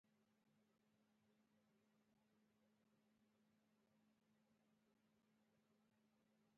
زه ځم چې ور ته خبر ور کړم.